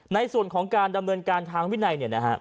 ในส่วนของการดำเนินการทางวินัย